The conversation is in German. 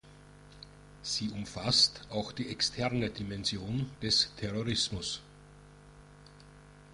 Sie umfasst auch die externe Dimension des Terrorismus.